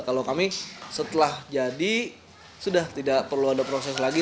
kalau kami setelah jadi sudah tidak perlu ada proses lagi